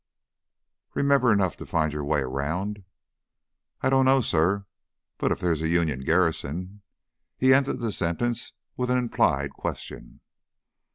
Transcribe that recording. "Remember enough to find your way around?" "I don't know, suh. But if there's a Union garrison ?" He ended the sentence with an implied question.